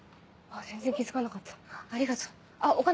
全然気付かなかったありがとうあっお金。